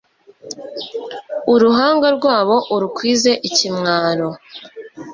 uruhanga rwabo urukwize ikimwaro